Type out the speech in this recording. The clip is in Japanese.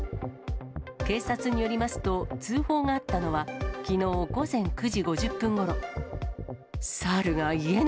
警察によりますと、通報があったのは、きのう午前９時５０分ごろ。